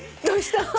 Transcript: どうした？